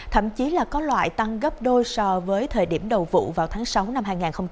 thậm chí là có loại tăng gấp đôi so với thời điểm đầu vụ vào tháng sáu năm hai nghìn hai mươi